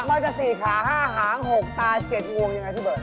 มันจะ๔ขา๕หาง๖ตา๗งวงยังไงพี่เบิร์